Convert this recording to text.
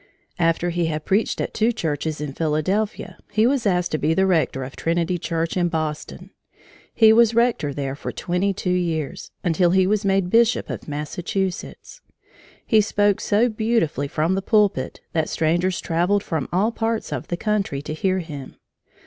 After he had preached at two churches in Philadelphia, he was asked to be the rector of Trinity Church in Boston. He was rector there for twenty two years until he was made Bishop of Massachusetts. He spoke so beautifully from the pulpit that strangers traveled from all parts of the country to hear him.